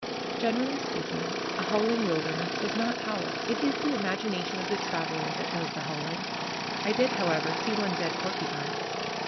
Generally speaking, a howling wilderness does not howl; it is the imagination of the traveler that does the howling. I did, however, see one dead porcupine.